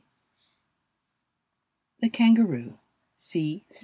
] THE KANGAROO.